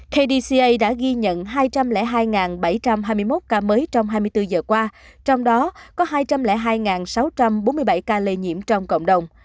kdca đã ghi nhận hai trăm linh hai bảy trăm hai mươi một ca mới trong hai mươi bốn giờ qua trong đó có hai trăm linh hai sáu trăm bốn mươi bảy ca lây nhiễm trong cộng đồng